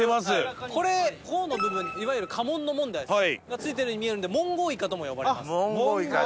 これ甲の部分いわゆる家紋の「紋」がついてるように見えるんで紋甲イカとも呼ばれます。